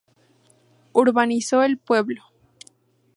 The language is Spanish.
Urbanizó el pueblo.